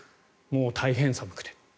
もう大変寒くて。